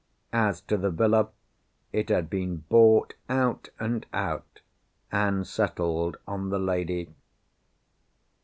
As to the villa, it had been bought, out and out, and settled on the lady.